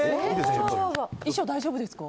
衣装、大丈夫ですか。